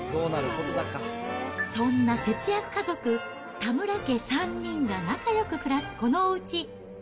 そんな節約家族、田村家３人が仲よく暮らすこのおうち。